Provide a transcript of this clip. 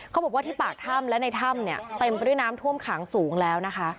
เขาบอกว่าที่ปากถ้ำและในถ้ำเนี่ยเต็มไปด้วยน้ำท่วมขังสูงแล้วนะคะ